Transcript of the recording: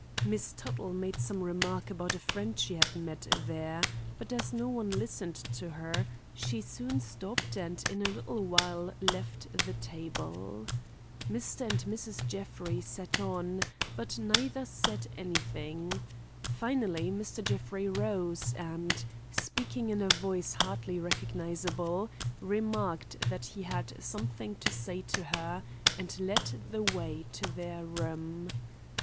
Miss Tuttle made some remark about a friend she had met there, but as no one listened to her, she soon stopped and in a little while left the table. Mr. and Mrs. Jeffrey sat on, but neither said anything. Finally Mr. Jeffrey rose and, speaking in a voice hardly recognizable, remarked that he had something to say to her, and led the way to their room.